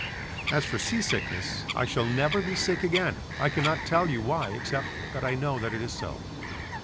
As for sea sickness I shall never be sick again, I cannot tell you why except that I know that it is so.